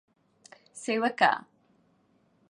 سیوکه: